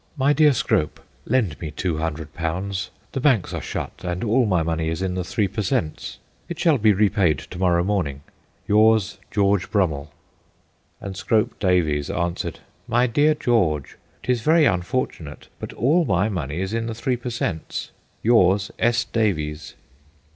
' My dear Scrope, lend me two hundred pounds ; the banks are shut, and all my money is in the three per cents. It shall be repaid to morrow morning. Yours, George Brummell.' And Scrope Davies answered :' My dear George, 'tis very unfortunate, but all my money is in the three per cents. Yours, S. Davies.'